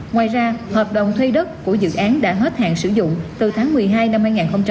ngoài ra hợp đồng thuê đất của dự án đã hết hạn sử dụng từ tháng một mươi hai năm hai nghìn hai mươi